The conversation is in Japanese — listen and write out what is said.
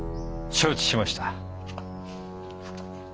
承知しました。